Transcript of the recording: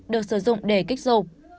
được sử dụng để kích dục